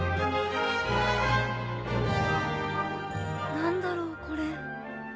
何だろうこれ